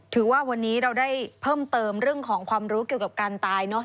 ถือว่าวันนี้เราได้เพิ่มเติมเรื่องของความรู้เกี่ยวกับการตายเนอะ